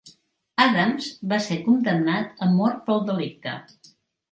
Adams va ser condemnat a mort pel delicte.